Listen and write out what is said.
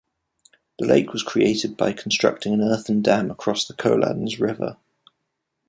The lake was created by constructing an earthen dam across the Kolans River.